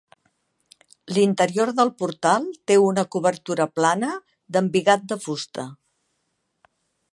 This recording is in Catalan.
L'interior del portal té una cobertura plana d'embigat de fusta.